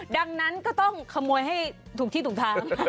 ดังนั้นก็ต้องขโมยให้ถูกที่ถูกทาง